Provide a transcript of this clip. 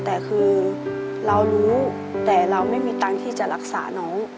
แต่คือเรารู้แต่เราไม่มีตังค์ที่จะรักษาน้อง